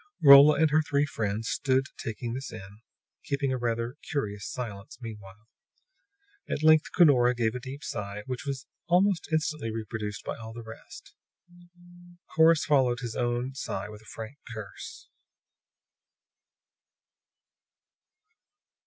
Rolla and her three friends stood taking this in, keeping a rather curious silence meanwhile. At length Cunora gave a deep sigh, which was almost instantly reproduced by all the rest. Corrus followed his own sigh with a frank curse.